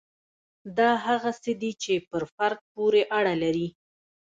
دا هغه څه دي چې پر فرد پورې اړه لري.